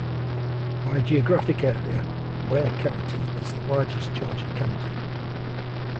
By geographic area, Ware County is the largest Georgia county.